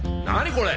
これ。